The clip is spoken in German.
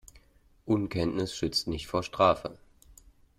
Unkenntnis schützt nicht vor Strafe.